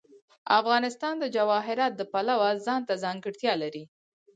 افغانستان د جواهرات د پلوه ځانته ځانګړتیا لري.